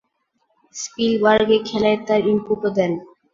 Spielberg এই খেলায় তার ইনপুটও দেন।